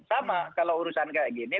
sama kalau urusan kayak gini